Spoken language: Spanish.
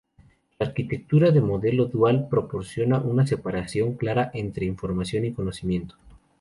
La arquitectura de Modelo Dual proporciona una separación clara entre información y conocimiento.